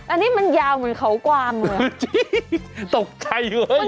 อันนี้มันยาวเหมือนเขากวาเมืองจริงจริงตกใจเยอะเฮ้ย